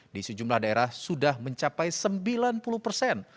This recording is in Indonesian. di sejumlah daerah sudah mencapai sembilan puluh persen